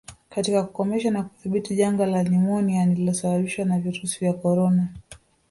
katika kukomesha na kudhibiti janga la nimonia lililosababishwa na virusi vya korona